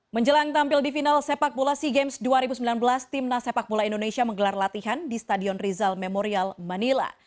menjelang tampil di final sepak bola sea games dua ribu sembilan belas timnas sepak bola indonesia menggelar latihan di stadion rizal memorial manila